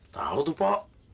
tau tuh pak